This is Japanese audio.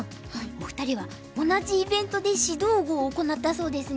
お二人は同じイベントで指導碁を行ったそうですね。